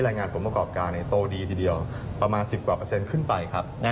แรงงานผลประกอบการโตดีทีเดียวประมาณ๑๐กว่าเปอร์เซ็นต์ขึ้นไปครับ